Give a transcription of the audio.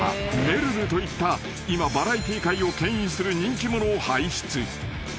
めるるといった今バラエティー界をけん引する人気者を輩出］